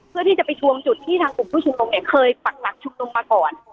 เพื่อที่จะไปทวงจุดที่ทางกลุ่มผู้ชุมนุมเนี่ยเคยปักหลักชุมนุมมาก่อน